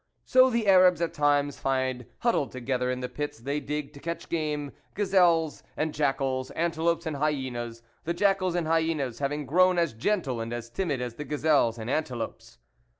So the Arabs at times find huddled together in the pits they dig to catch game, gazelles and jackals, antelopes and hyenas, the jackals and hyenas having grown as gentle and as timid as the gazelles and antelopes.